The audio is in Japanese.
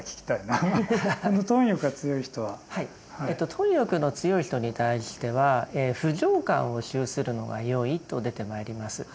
貪欲の強い人に対しては「不浄観」を修するのがよいと出てまいります。